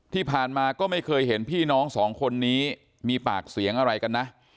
ที่ผ่านมาก็ไม่เคยเห็นพี่น้องสองคนนี้มีปากเสียงอะไรกันนะ